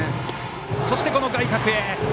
そして外角へ！